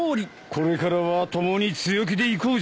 これからは共に強気でいこうじゃないか。